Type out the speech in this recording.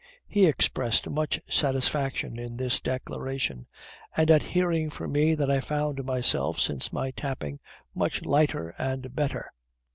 He expressed much satisfaction in this declaration, and at hearing from me that I found myself, since my tapping, much lighter and better.